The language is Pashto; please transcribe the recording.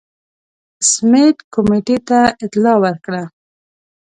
سمیت کمېټې ته اطلاع ورکړه.